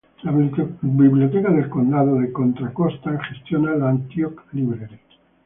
La Biblioteca del Condado de Contra Costa gestiona la Antioch Library.